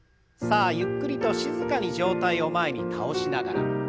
さあゆっくりと静かに上体を前に倒しながら。